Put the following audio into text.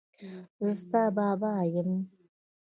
زه ستا بابا یم.